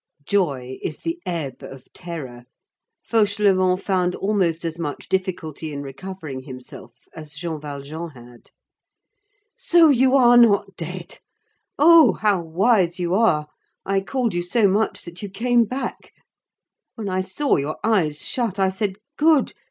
Joy is the ebb of terror. Fauchelevent found almost as much difficulty in recovering himself as Jean Valjean had. "So you are not dead! Oh! How wise you are! I called you so much that you came back. When I saw your eyes shut, I said: 'Good!